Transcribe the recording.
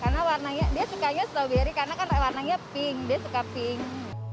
karena warnanya dia sukanya strawberry karena kan warnanya pink dia suka pink